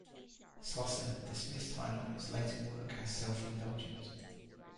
Slusser dismissed Heinlein's later work as self-indulgent.